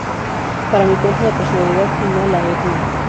Para mi cuenta la personalidad y no la etnia.